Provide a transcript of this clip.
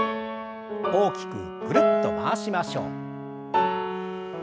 大きくぐるっと回しましょう。